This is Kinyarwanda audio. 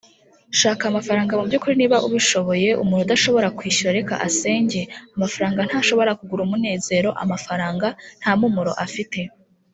shaka amafaranga mubyukuri niba ubishoboye. umuntu udashobora kwishyura, reka asenge. amafaranga ntashobora kugura umunezero. amafaranga nta mpumuro afite.